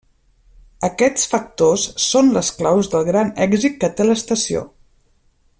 Aquests factors són les claus del gran èxit que té l'estació.